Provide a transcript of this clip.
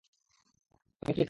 আমি ফ্রি আছি।